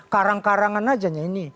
karang karangan aja ini